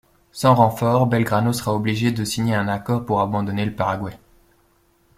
Sans renforts, Belgrano sera obligé de signer un accord pour abandonner le Paraguay.